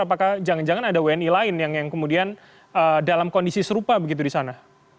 apakah jangan jangan ada wni lain yang kemudian dalam kondisi serupa begitu di sana